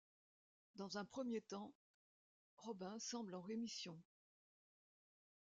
Dans un premier temps, Robin semble en rémission.